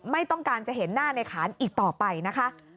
ไม่ต้องการจะเห็นหน้าในขานอีกต่อไปนะคะ